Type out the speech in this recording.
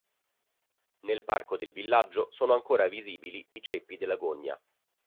Nel parco del villaggio, sono ancora visibili i ceppi della gogna.